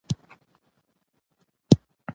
دا زموږ د تاریخ او ارواپوهنې درک ښيي.